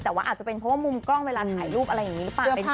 แต่ว่าอาจจะเป็นเพราะว่ามุมกล้องเวลาถ่ายรูปอะไรอย่างนี้หรือเปล่า